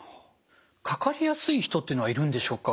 かかりやすい人っていうのはいるんでしょうか？